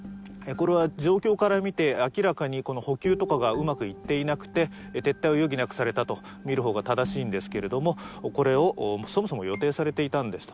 これは状況からみて明らかに補給とかがうまくいっていなくて撤退を余儀なくされたとみるほうが正しいんですけれどもこれをそもそも予定されていたんです